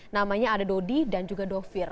namanya ada dodi dan juga dovir